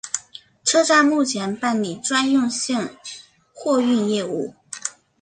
车站目前办理专用线货运业务。